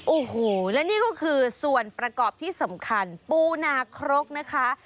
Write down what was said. โอ้โหและนี่ก็คือส่วนประกอบที่สำคัญปูนาครกนะคะ